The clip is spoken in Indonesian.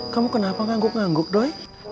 kamu kenapa nganggup ngangguk doi